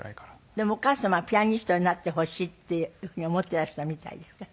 でもお母様はピアニストになってほしいっていうふうに思っていらしたみたいですか？